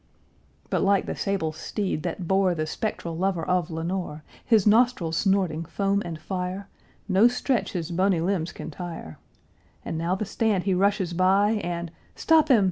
But like the sable steed that bore The spectral lover of Lenore, His nostrils snorting foam and fire, No stretch his bony limbs can tire; And now the stand he rushes by, And "Stop him!